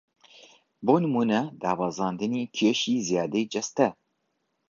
بۆ نموونە دابەزاندنی کێشی زیادەی جەستە